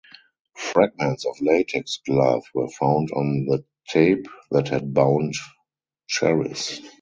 Fragments of Latex glove were found on the tape that had bound Charis.